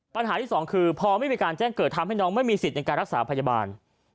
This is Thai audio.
ปัญหาที่สองคือพอไม่มีการแจ้งเกิดทำให้น้องไม่มีสิทธิ์ในการรักษาพยาบาล